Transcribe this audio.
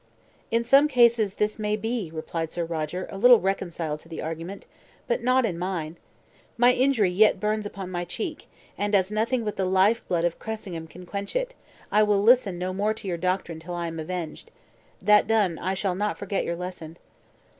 "In some cases this may be," replied Sir Roger, a little reconciled to the argument, "but not in mine. My injury yet burns upon my cheek; and as nothing but the life blood of Cressingham can quench it, I will listen no more to your doctrine till I am avenged. That done, I shall not forget your lesson."